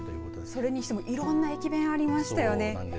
それにしてもいろんな駅弁がありましたよね。